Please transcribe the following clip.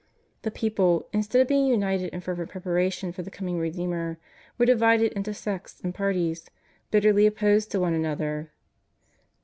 The people, instead of being imited in fervent pre paration for the coming Redeemer, were divided into sects and parties, bitterly opposed to one another.